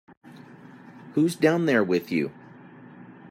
Who's down there with you?